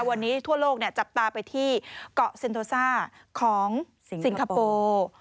วันนี้ทั่วโลกจับตาไปที่เกาะเซ็นโทซ่าของสิงคโปร์